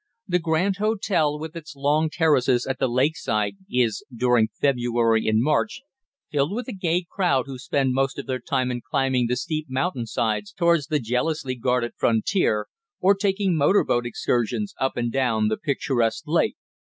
The Grand Hotel, with its long terrace at the lake side, is, during February and March, filled with a gay crowd who spend most of their time in climbing the steep mountain sides towards the jealously guarded frontier, or taking motor boat excursions up and down the picturesque lake.